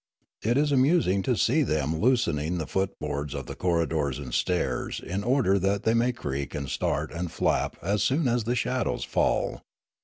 It is amusing to see them loosening the footboards of the corridors and stairs in order that they may creak and start and flap as soon as the shadows fall.